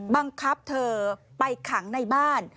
บังคับเธอไปขังในบ้าน